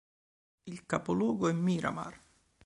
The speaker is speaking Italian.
Il capoluogo è Miramar.